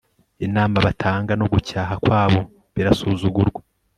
inama batanga no gucyaha kwabo birasuzugurwa